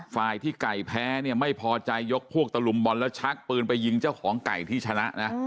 ฝ่ายที่ไก่แพ้เนี่ยไม่พอใจยกพวกตะลุมบอลแล้วชักปืนไปยิงเจ้าของไก่ที่ชนะนะ